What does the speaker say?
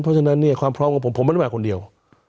เพราะฉะนั้นเนี่ยความพร้อมของผมผมไม่ได้มาคนเดียว